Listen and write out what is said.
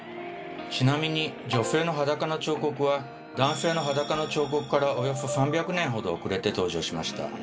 ちなみに女性の裸の彫刻は男性の裸の彫刻からおよそ３００年ほど遅れて登場しました。